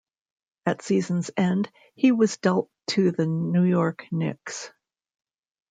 At season's end, he was dealt to the New York Knicks.